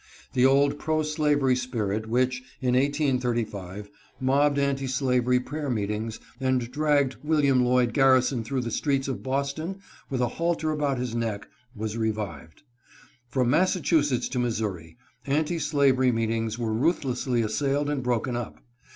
The old pro slavery spirit which, in 1835, mobbed anti slavery prayer meetings, and dragged William Lloyd Garrison through the streets of Boston with a halter about his neck, was revived. From Massachusetts to Missouri, anti slavery meetings were ruthlessly assailed and broken up.